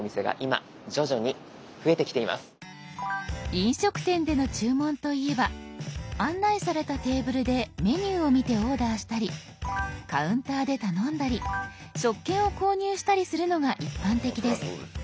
飲食店での注文といえば案内されたテーブルでメニューを見てオーダーしたりカウンターで頼んだり食券を購入したりするのが一般的です。